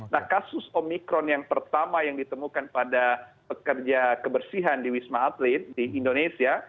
nah kasus omikron yang pertama yang ditemukan pada pekerja kebersihan di wisma atlet di indonesia